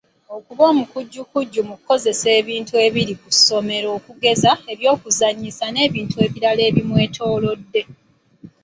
Okuba omukujjukujju mu kukozesa ebintu ebiri ku ssomero okugeza ebyokuzannyisa n’ebintu ebirala ebimwetoolodde.